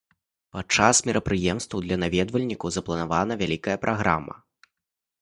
Падчас мерапрыемства для наведвальнікаў запланавана вялікая праграма.